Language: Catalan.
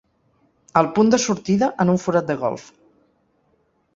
El punt de sortida en un forat de golf.